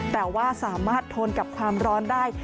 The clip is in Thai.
แต่ว่าสามารถทนกับความร้อนได้